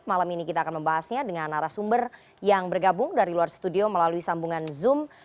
malam ini kita akan membahasnya dengan arah sumber yang bergabung dari luar studio melalui sambungan zoom